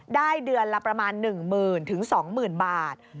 ได้เดือนละประมาณ๑หมื่นถึง๒หมื่นบาท